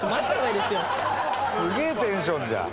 すげえテンションじゃん。